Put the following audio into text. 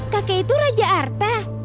kakek itu raja arta